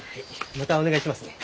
またお願いしますね。